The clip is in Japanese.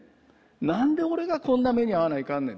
なんで俺がこんな目に遭わないかんねん。